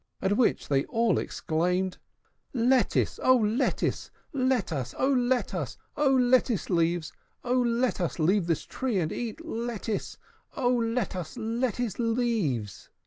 At which they all exclaimed, "Lettuce! O lettuce Let us, O let us, O lettuce leaves, O let us leave this tree, and eat Lettuce, O let us, lettuce leaves!"